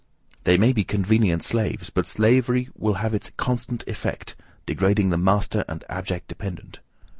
They may be convenient slaves, but slavery will have its constant effect, degrading the master and the abject dependent.